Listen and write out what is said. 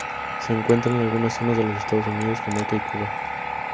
Se encuentra en algunas zonas de Estados Unidos, Jamaica y Cuba.